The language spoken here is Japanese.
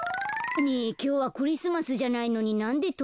ねえきょうはクリスマスじゃないのになんでとんでたの？